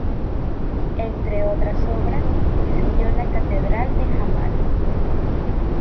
Entre otras obras, diseñó la Catedral de Hamar.